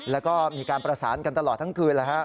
แล้วก็มีการประสานกันตลอดทั้งคืน